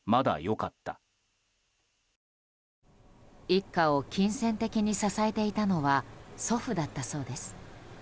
一家を金銭的に支えていたのは祖父だったそうです。